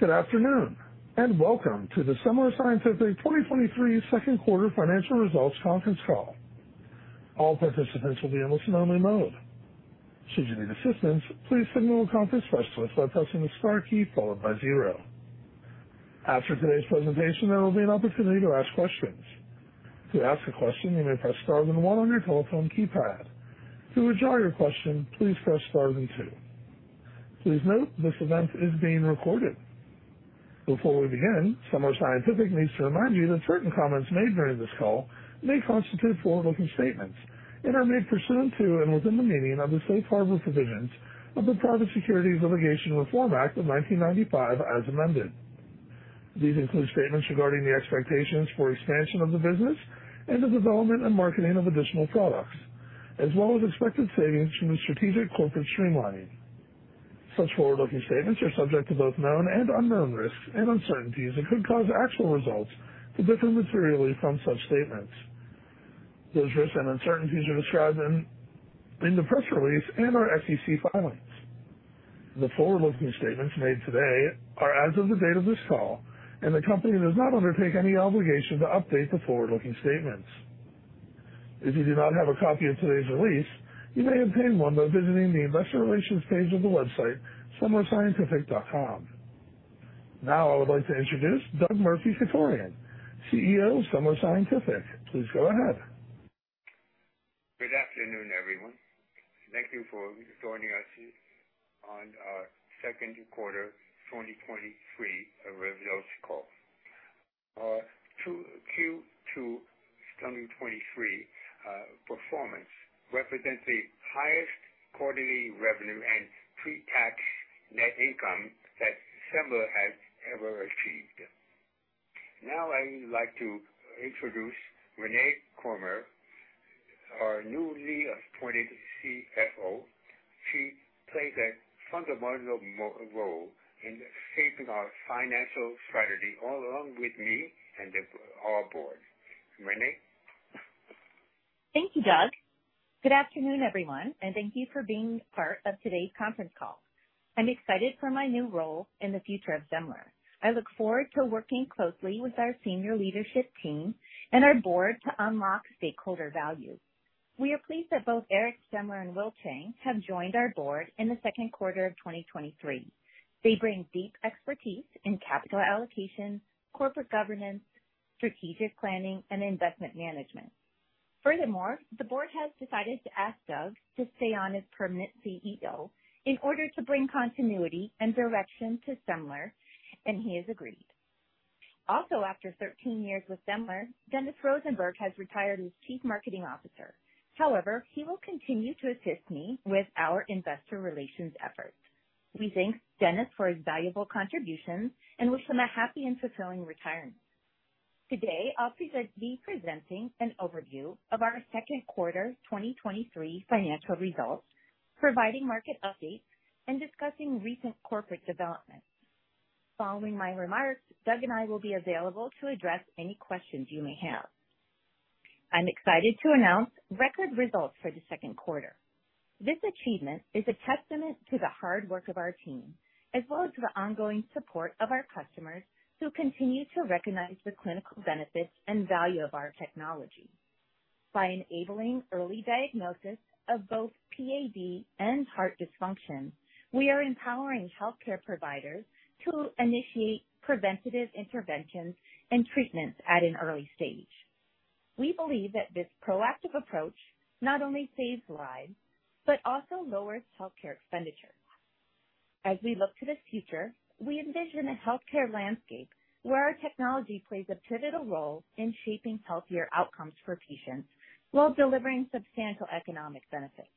Good afternoon, and welcome to the Semler Scientific 2023 Q2 financial results conference call. All participants will be in listen-only mode. Should you need assistance, please send to a conference specialist by pressing the star key followed by 0. After today's presentation, there will be an opportunity to ask questions. To ask a question, you may press star then 1 on your telephone keypad. To withdraw your question, please press star then 2. Please note, this event is being recorded. Before we begin, Semler Scientific needs to remind you that certain comments made during this call may constitute forward-looking statements and are made pursuant to and within the meaning of the Safe Harbor Provisions of the Private Securities Litigation Reform Act of 1995 as amended. These include statements regarding the expectations for expansion of the business and the development and marketing of additional products, as well as expected savings from the strategic corporate streamlining. Such forward-looking statements are subject to both known and unknown risks and uncertainties that could cause actual results to differ materially from such statements. Those risks and uncertainties are described in the press release and our SEC filings. The forward-looking statements made today are as of the date of this call, and the company does not undertake any obligation to update the forward-looking statements. If you do not have a copy of today's release, you may obtain one by visiting the investor relations page of the website, semlerscientific.com. Now I would like to introduce Douglas Murphy-Chutorian, CEO of Semler Scientific. Please go ahead. Good afternoon, everyone. Thank you for joining us on our Q2 2023 results call. Q2 2023 performance represent the highest quarterly revenue and pretax net income that Semler has ever achieved. Now I'd like to introduce Renae Tee-Comer, our newly appointed CFO. She plays a fundamental role in shaping our financial strategy, all along with me and our board. Renee? Thank you, Doug. Good afternoon, everyone, and thank you for being part of today's conference call. I'm excited for my new role in the future of Semler. I look forward to working closely with our senior leadership team and our board to unlock stakeholder value. We are pleased that both Eric Semler and Will Chang have joined our board in the Q2 of 2023. They bring deep expertise in capital allocation, corporate governance, strategic planning, and investment management. Furthermore, the board has decided to ask Doug to stay on as permanent CEO in order to bring continuity and direction to Semler, and he has agreed. After 13 years with Semler, Dennis Rosenberg has retired as Chief Marketing Officer. However, he will continue to assist me with our investor relations efforts. We thank Dennis for his valuable contributions and wish him a happy and fulfilling retirement. Today, I'll be presenting an overview of our Q2 2023 financial results, providing market updates, and discussing recent corporate developments. Following my remarks, Doug and I will be available to address any questions you may have. I'm excited to announce record results for the Q2. This achievement is a testament to the hard work of our team, as well as to the ongoing support of our customers, who continue to recognize the clinical benefits and value of our technology. By enabling early diagnosis of both PAD and heart dysfunction, we are empowering healthcare providers to initiate preventative interventions and treatments at an early stage. We believe that this proactive approach not only saves lives, but also lowers healthcare expenditure. As we look to the future, we envision a healthcare landscape where our technology plays a pivotal role in shaping healthier outcomes for patients while delivering substantial economic benefits.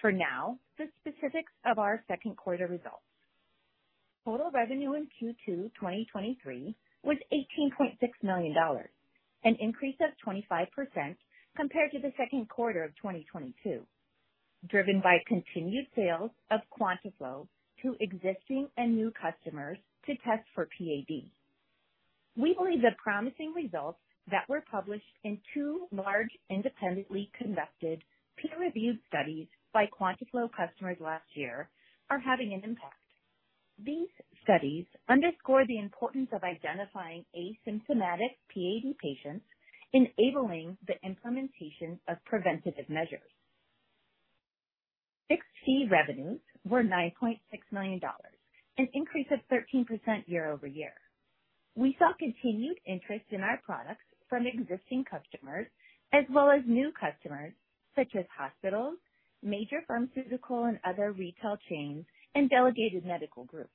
For now, the specifics of our Q2 results. Total revenue in Q2 2023 was $18.6 million, an increase of 25% compared to the Q2 of 2022, driven by continued sales of QuantaFlo to existing and new customers to test for PAD. We believe the promising results that were published in 2 large, independently conducted, peer-reviewed studies by QuantaFlo customers last year are having an impact. These studies underscore the importance of identifying asymptomatic PAD patients, enabling the implementation of preventative measures. Fixed fee revenues were $9.6 million, an increase of 13% year-over-year. We saw continued interest in our products from existing customers as well as new customers, such as hospitals, major pharmaceutical and other retail chains, and delegated medical groups.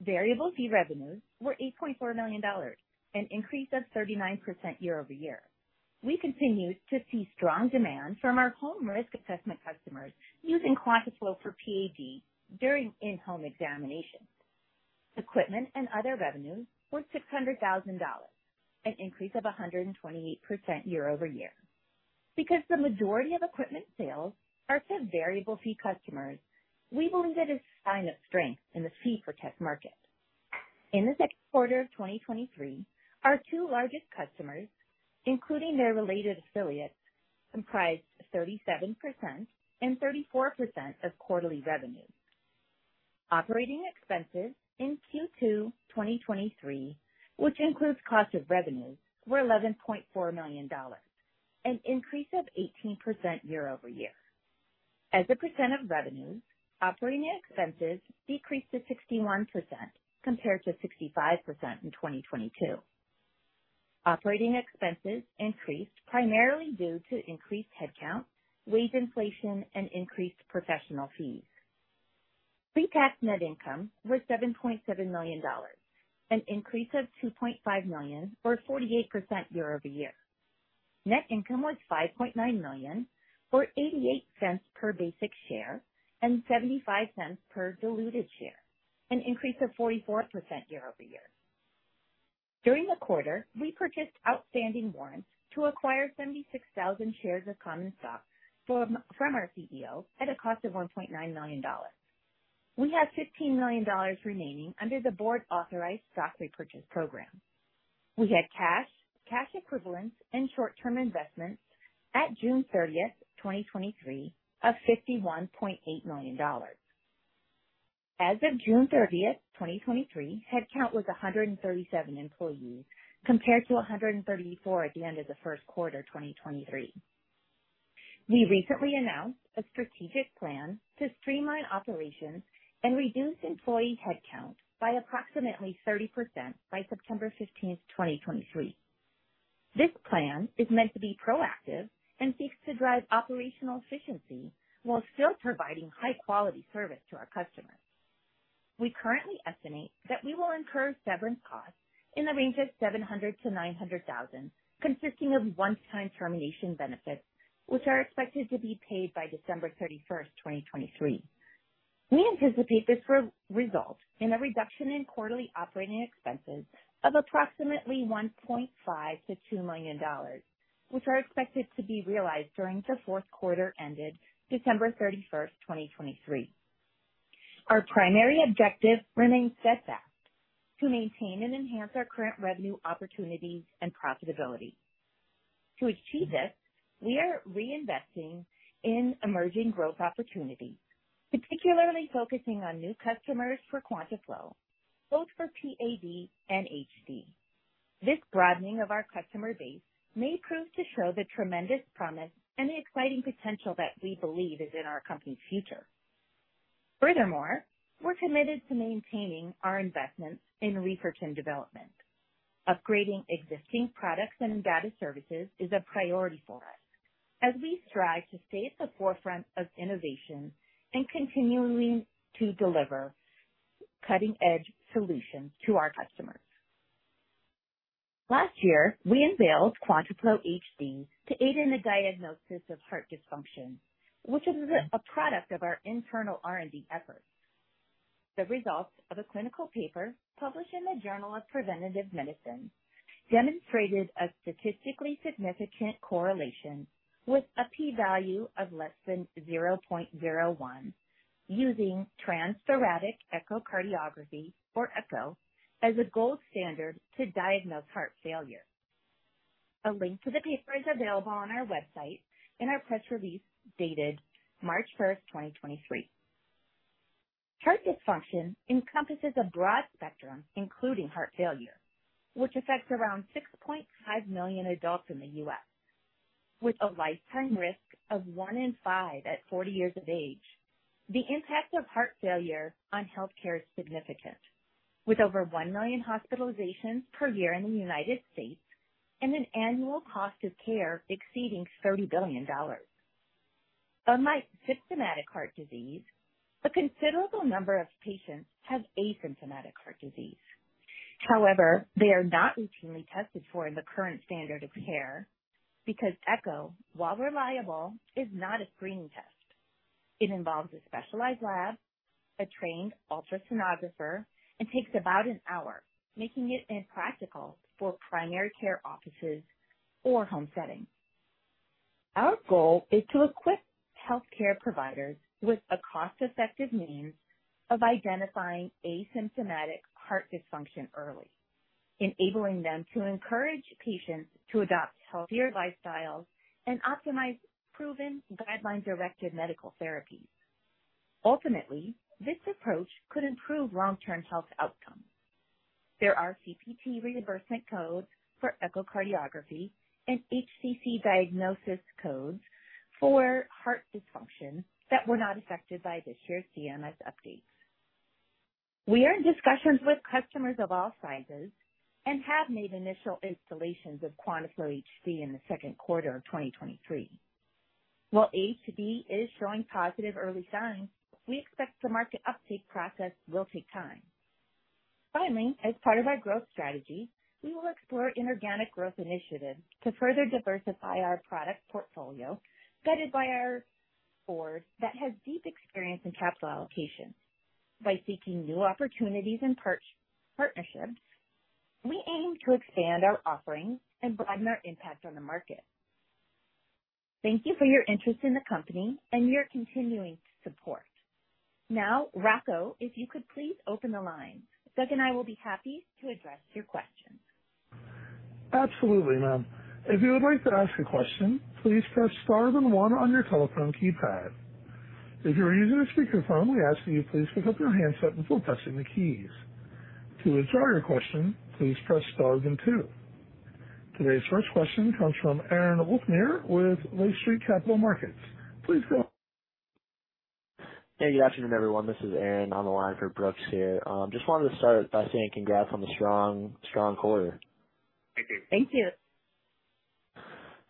Variable fee revenues were $8.4 million, an increase of 39% year-over-year. We continued to see strong demand from our home risk assessment customers using QuantaFlo for PAD during in-home examinations. Equipment and other revenues were $600,000, an increase of 128% year-over-year. Because the majority of equipment sales are to variable fee customers, we believe it is a sign of strength in the fee for test market. In the Q2 of 2023, our two largest customers, including their related affiliates, comprised 37% and 34% of quarterly revenues. Operating expenses in Q2 2023, which includes cost of revenues, were $11.4 million, an increase of 18% year-over-year. As a % of revenues, operating expenses decreased to 61% compared to 65% in 2022. Operating expenses increased primarily due to increased headcount, wage inflation, and increased professional fees. Pre-tax net income was $7.7 million, an increase of $2.5 million, or 48% year-over-year. Net income was $5.9 million, or $0.88 per basic share, and $0.75 per diluted share, an increase of 44% year-over-year. During the quarter, we purchased outstanding warrants to acquire 76,000 shares of common stock from our CEO at a cost of $1.9 million. We have $15 million remaining under the board-authorized stock repurchase program. We had cash, cash equivalents, and short-term investments at June 30, 2023, of $51.8 million. As of June 30, 2023, headcount was 137 employees, compared to 134 at the end of the Q1, 2023. We recently announced a strategic plan to streamline operations and reduce employee headcount by approximately 30% by September 15, 2023. This plan is meant to be proactive and seeks to drive operational efficiency while still providing high-quality service to our customers. We currently estimate that we will incur severance costs in the range of $700,000-$900,000, consisting of one-time termination benefits, which are expected to be paid by December 31, 2023. We anticipate this will result in a reduction in quarterly operating expenses of approximately $1.5 million-$2 million, which are expected to be realized during the Q4, ended December 31, 2023. Our primary objective remains set fast to maintain and enhance our current revenue opportunities and profitability. To achieve this, we are reinvesting in emerging growth opportunities, particularly focusing on new customers for QuantaFlo, both for PAD and HD. This broadening of our customer base may prove to show the tremendous promise and the exciting potential that we believe is in our company's future. Furthermore, we're committed to maintaining our investments in research and development. Upgrading existing products and data services is a priority for us as we strive to stay at the forefront of innovation and continuing to deliver cutting-edge solutions to our customers. Last year, we unveiled QuantaFlo HD to aid in the diagnosis of heart dysfunction, which is a product of our internal R&D efforts. The results of a clinical paper published in the Journal of Preventive Medicine demonstrated a statistically significant correlation with a p-value of less than 0.01, using transthoracic echocardiography, or echo, as a gold standard to diagnose heart failure. A link to the paper is available on our website in our press release, dated March 1, 2023. Heart dysfunction encompasses a broad spectrum, including heart failure, which affects around 6.5 million adults in the US, with a lifetime risk of 1 in 5 at 40 years of age. The impact of heart failure on healthcare is significant, with over 1 million hospitalizations per year in the United States and an annual cost of care exceeding $30 billion. Unlike symptomatic heart disease, a considerable number of patients have asymptomatic heart disease. However, they are not routinely tested for in the current standard of care because echo, while reliable, is not a screening test. It involves a specialized lab, a trained ultrasonographer, and takes about an hour, making it impractical for primary care offices or home settings. Our goal is to equip healthcare providers with a cost-effective means of identifying asymptomatic heart dysfunction early, enabling them to encourage patients to adopt healthier lifestyles and optimize proven guideline-directed medical therapy. Ultimately, this approach could improve long-term health outcomes. There are CPT reimbursement codes for echocardiography and HCC diagnosis codes for heart dysfunction that were not affected by this year's CMS updates. We are in discussions with customers of all sizes and have made initial installations of QuantaFlo HD in the Q2 of 2023. While HD is showing positive early signs, we expect the market uptake process will take time. Finally, as part of our growth strategy, we will explore inorganic growth initiatives to further diversify our product portfolio, guided by our board that has deep experience in capital allocation. By seeking new opportunities and partnerships, we aim to expand our offerings and broaden our impact on the market. Thank you for your interest in the company and your continuing support. Now, Rocco, if you could please open the line. Doug and I will be happy to address your questions. Absolutely, ma'am. If you would like to ask a question, please press star then 1 on your telephone keypad. If you are using a speakerphone, we ask that you please pick up your handset before pressing the keys. To withdraw your question, please press star then 2. Today's first question comes from Aaron Wolfson with Lake Street Capital Markets. Please go. Hey, good afternoon, everyone. This is Aaron on the line for Brooks here. just wanted to start by saying congrats on the strong, strong quarter. Thank you. Thank you.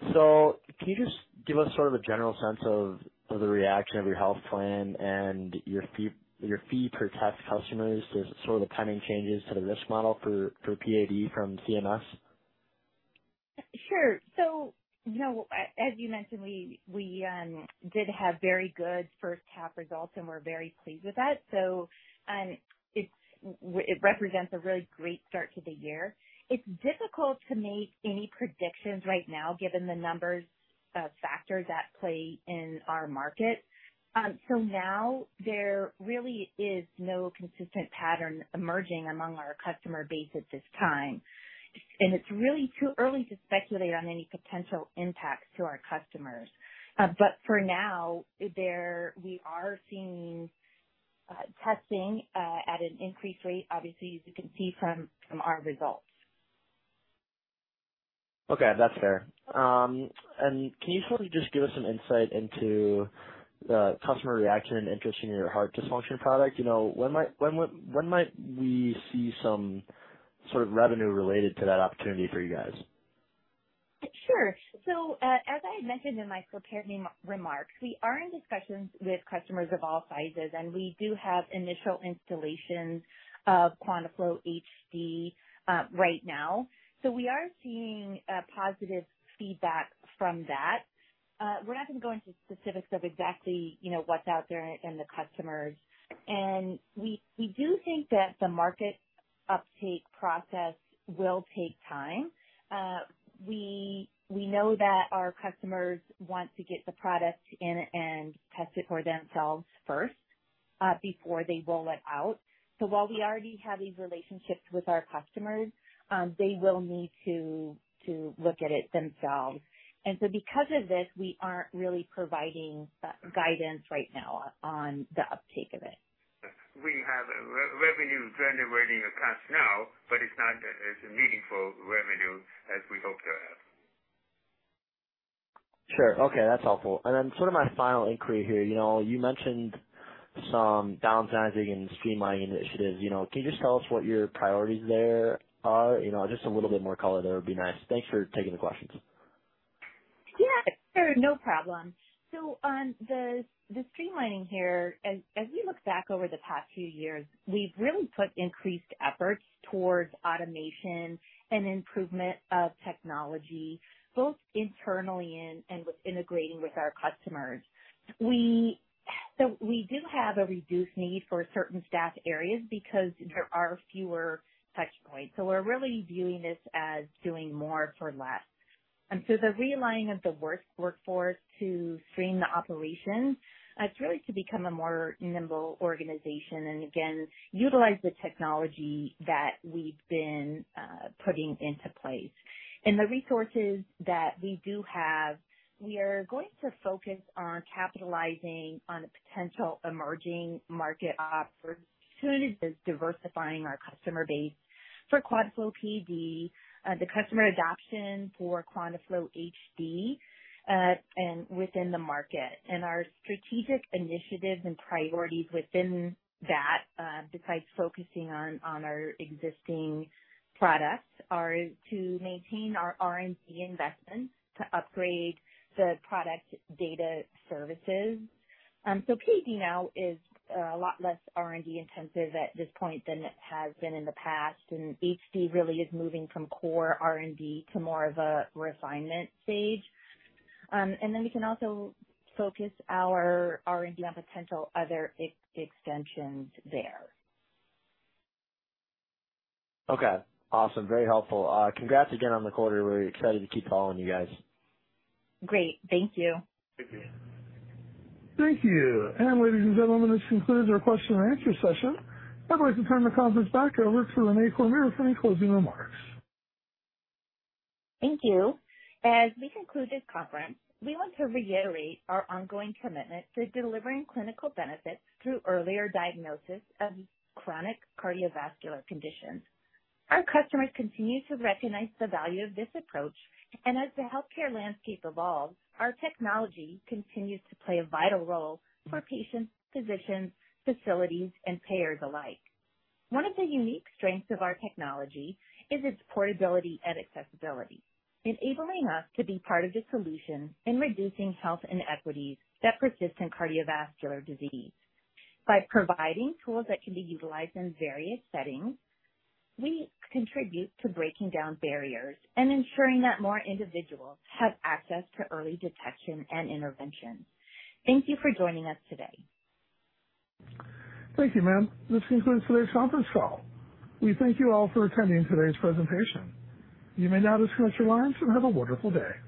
Can you just give us sort of a general sense of, of the reaction of your health plan and your fee, your fee per test customers to sort of the pending changes to the risk model for, for PAD from CMS? Sure. you know, a-as you mentioned, we, we did have very good first half results, and we're very pleased with that. it's- w- it represents a really great start to the year. It's difficult to make any predictions right now, given the numbers, factors at play in our market. Now there really is no consistent pattern emerging among our customer base at this time, and it's really too early to speculate on any potential impacts to our customers. For now, there -- we are seeing testing at an increased rate, obviously, as you can see from, from our results. Okay, that's fair. Can you sort of just give us some insight into the customer reaction and interest in your heart dysfunction product? You know, when might, when might, when might we see some sort of revenue related to that opportunity for you guys? Sure. As I had mentioned in my prepared re-remarks, we are in discussions with customers of all sizes, and we do have initial installations of QuantaFlo HD, right now. We are seeing positive feedback from that. We're not gonna go into specifics of exactly, you know, what's out there and the customers. We do think that the market uptake process will take time. We know that our customers want to get the product in and test it for themselves first, before they roll it out. While we already have these relationships with our customers, they will need to, to look at it themselves. Because of this, we aren't really providing guidance right now on the uptake of it. We have re-revenue generating accounts now, but it's not as meaningful revenue as we hoped to have. Sure. Okay, that's helpful. Sort of my final inquiry here, you know, you mentioned some downsizing and streamlining initiatives. You know, can you just tell us what your priorities there are? You know, just a little bit more color there would be nice. Thanks for taking the questions. Yeah, sure. No problem. On the, the streamlining here, as, as we look back over the past few years, we've really put increased efforts towards automation and improvement of technology, both internally and, and with integrating with our customers. We do have a reduced need for certain staff areas because there are fewer touch points. We're really viewing this as doing more for less. The realigning of the workforce to stream the operations, it's really to become a more nimble organization, and again, utilize the technology that we've been putting into place. The resources that we do have, we are going to focus on capitalizing on the potential emerging market opportunities, diversifying our customer base for QuantaFlo PAD, the customer adoption for QuantaFlo HD, and within the market. Our strategic initiatives and priorities within that, besides focusing on, on our existing products, are to maintain our R&D investments, to upgrade the product data services. PAD now is a lot less R&D intensive at this point than it has been in the past, and HD really is moving from core R&D to more of a refinement stage. We can also focus our R&D on potential other ex-extensions there. Okay, awesome. Very helpful. Congrats again on the quarter. We're excited to keep following you guys. Great. Thank you. Thank you. Thank you. Ladies and gentlemen, this concludes our question and answer session. I'd like to turn the conference back over to Renee Comer for any closing remarks. Thank you. As we conclude this conference, we want to reiterate our ongoing commitment to delivering clinical benefits through earlier diagnosis of chronic cardiovascular conditions. Our customers continue to recognize the value of this approach, and as the healthcare landscape evolves, our technology continues to play a vital role for patients, physicians, facilities, and payers alike. One of the unique strengths of our technology is its portability and accessibility, enabling us to be part of the solution in reducing health inequities that persist in cardiovascular disease. By providing tools that can be utilized in various settings, we contribute to breaking down barriers and ensuring that more individuals have access to early detection and intervention. Thank you for joining us today. Thank you, ma'am. This concludes today's conference call. We thank you all for attending today's presentation. You may now disconnect your lines and have a wonderful day.